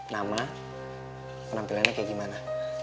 nama penampilannya kayak gimana